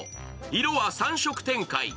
色は３色展開。